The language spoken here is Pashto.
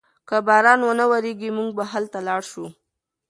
که باران و نه وریږي موږ به هلته لاړ شو.